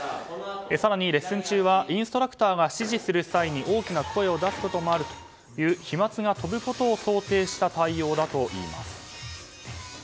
更にレッスン中はインストラクターが指示する際に大きな声を出すこともあるという飛沫が飛ぶことを想定した対応だといいます。